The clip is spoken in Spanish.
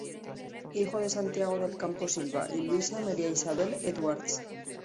Hijo de Santiago del Campo Silva y Luisa María Isabel Edwards.